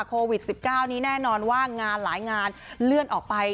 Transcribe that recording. โควิด๑๙นี้แน่นอนว่างานหลายงานเลื่อนออกไป